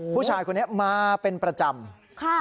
ผู้ชายคนนี้มาเป็นประจำ